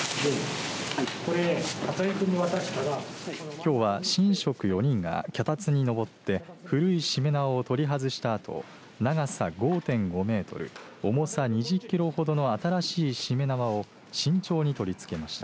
きょうは神職４人が脚立に登って古いしめ縄を取り外したあと長さ５．５メートル重さ２０キロほどの新しいしめ縄を慎重に取り付けました。